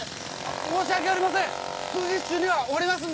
申し訳ありません！